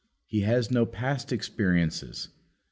He has no past experiences.